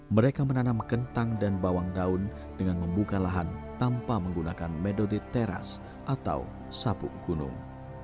mereka menanam kentang dan bawang daun dengan membuka lahan tanpa menggunakan metode teras atau sapu gunung